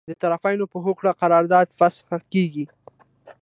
د طرفینو په هوکړه قرارداد فسخه کیږي.